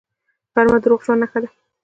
غرمه د روغ ژوند نښه ده